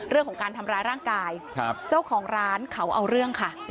เรื่องของการทำร้ายร่างกายเจ้าของร้านเขาเอาเรื่องค่ะ